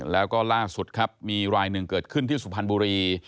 แล้วก็ล่าสุดครับมีรายหนึ่งเกิดขึ้นที่สุพรรณบุรี